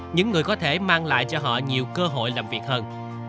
những người có thể mang lại cho họ nhiều cơ hội làm việc hơn